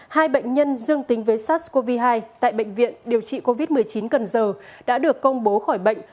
hai bệnh nhân dương tính với sars cov hai tại bệnh viện điều trị covid một mươi chín cần giờ đã được công bố khỏi bệnh